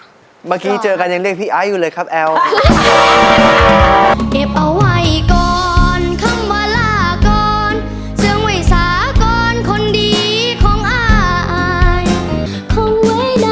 เมื่อกี้เจอกันยังเรียกพี่ไอ้อยู่เลยครับแอล